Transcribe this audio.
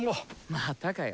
またかよ。